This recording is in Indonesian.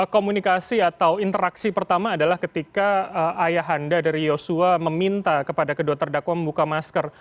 komunikasi atau interaksi pertama adalah ketika ayah anda dari yosua meminta kepada kedua terdakwa membuka masker